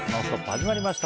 始まりました。